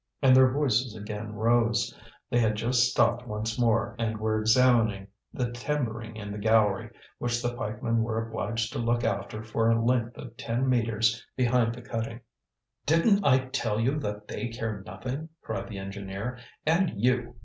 And their voices again rose; they had just stopped once more, and were examining the timbering in the gallery, which the pikemen were obliged to look after for a length of ten metres behind the cutting. "Didn't I tell you that they care nothing?" cried the engineer. "And you!